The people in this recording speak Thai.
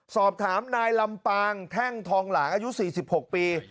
สอบถามนายลำปางแท่งทองหลางอายุ๔๖ปี